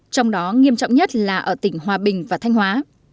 trong đó nghiêm trọng nhất là ở tỉnh hòa bình và thanh hóa